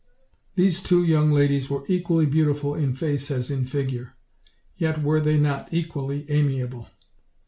These two young ladies were equally beautiful in face as in figure; yet were they not equally amiable.